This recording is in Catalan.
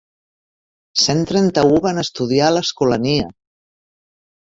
Cent trenta-u van estudiar a l'Escolania!